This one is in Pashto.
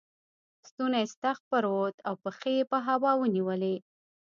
ستونی ستغ پر ووت او پښې یې په هوا ونیولې.